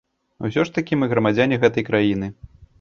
Усё ж такі мы грамадзяне гэтай краіны.